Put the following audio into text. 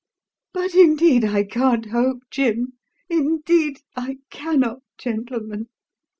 "But indeed, I can't hope, Jim indeed, I cannot, gentlemen.